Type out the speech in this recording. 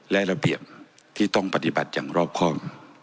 และระเบียบที่ต้องปฏิบัติอย่างรอบครอบ